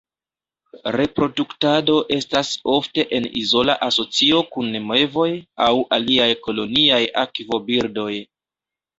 Reproduktado estas ofte en izola asocio kun mevoj aŭ aliaj koloniaj akvo birdoj.